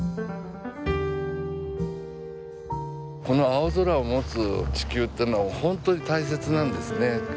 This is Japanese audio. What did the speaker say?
この青空を持つ地球ってのは本当に大切なんですね。